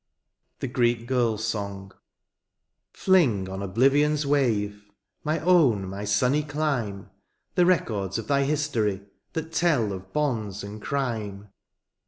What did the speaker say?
THE GREEK GIRL^S SONG. Fling on oblivion^s wave. My own, my sirnny clime. The records of thy history That tell of bonds and crime.